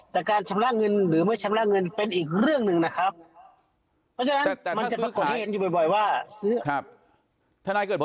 แต่การชำระเงินหรือไม่ชำระเงินเป็นอีกเรื่องหนึ่งนะครับ